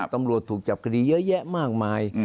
ตำรวจถูกจับคดีเยอะแยะมากมาย